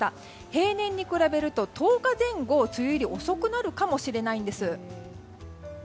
平年に比べると１０日前後、梅雨入りが遅くなるかもしれないんです。